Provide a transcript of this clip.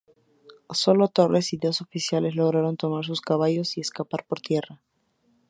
Sólo Torres y dos oficiales lograron tomar sus caballos y escapar por tierra.